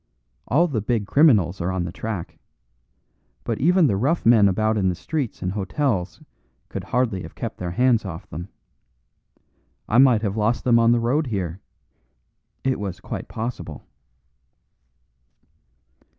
All the big criminals are on the track; but even the rough men about in the streets and hotels could hardly have kept their hands off them. I might have lost them on the road here. It was quite possible."